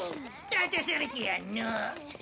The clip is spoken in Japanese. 立たされてやんの。